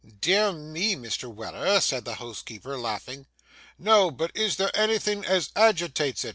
'Dear me, Mr. Weller!' said the housekeeper, laughing. 'No, but is there anythin' as agitates it?